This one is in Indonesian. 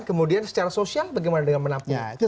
kemudian secara sosial bagaimana dengan menampung teman teman